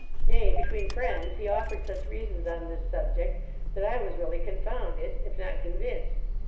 Nay, between friends, he offered such reasons on this subject, that I was really confounded, if not convinced.